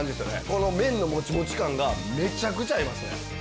この麺のもちもち感がめちゃくちゃ合います。